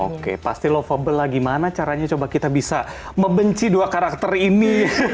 oke pasti lovable lah gimana caranya coba kita bisa membenci dua karakter ini